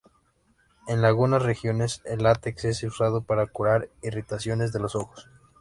En lagunas regiones el látex es usado para curar irritaciones de los ojos.